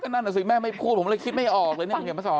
นั่นสิแม่ไม่พูดผมเลยคิดไม่ออกเลย